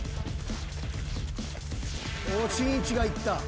しんいちが行った。